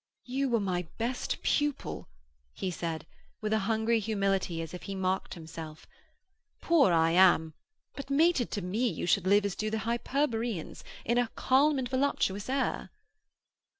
'You were my best pupil,' he said, with a hungry humility as if he mocked himself. 'Poor I am, but mated to me you should live as do the Hyperboreans, in a calm and voluptuous air.'